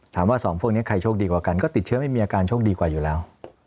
สองพวกนี้ใครโชคดีกว่ากันก็ติดเชื้อไม่มีอาการโชคดีกว่าอยู่แล้ว